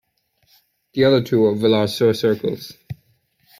The other two are Villarceau circles.